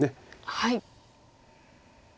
はい。